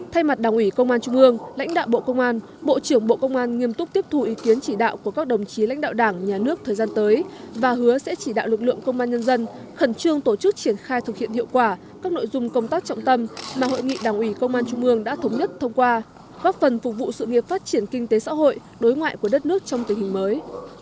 thay mặt đảng ủy công an trung ương lãnh đạo bộ công an bộ trưởng bộ công an nghiêm túc tiếp thù ý kiến chỉ đạo của các đồng chí lãnh đạo đảng nhà nước thời gian tới và hứa sẽ chỉ đạo lực lượng công an nhân dân khẩn trương tổ chức triển khai thực hiện hiệu quả các nội dung công tác trọng tâm mà hội nghị đảng ủy công an trung ương đã thống nhất thông qua góp phần phục vụ sự nghiệp phát triển kinh tế xã hội đối ngoại của đất nước trong tình hình mới